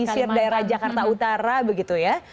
pesisir daerah jakarta utara begitu ya